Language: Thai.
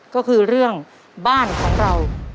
ก็คือเรื่องบ้านของเรา